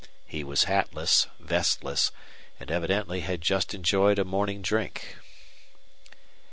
He was hatless, vestless, and evidently had just enjoyed a morning drink.